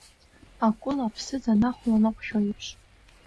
Акәыла аԥсыӡ анахәланаҟәшәо еиԥш.